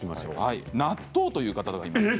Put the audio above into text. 納豆という方がいます。